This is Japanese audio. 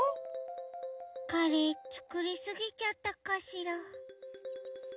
カレーつくりすぎちゃったかしら？